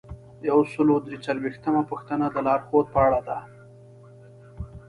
یو سل او درې څلویښتمه پوښتنه د لارښوود په اړه ده.